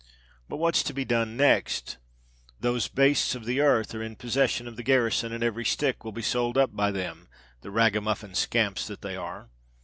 "But what's to be done next? Those bastes of the earth are in possession of the garrison, and every stick will be sould up by them—the ragamuffin scamps that they are!"